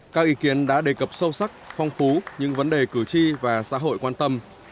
các ý kiến đã đề cập sâu sắc phong phú những vấn đề cử tri và xã hội quan tâm